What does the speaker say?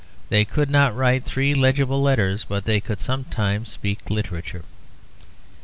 They could not write three legible letters, but they could sometimes speak literature.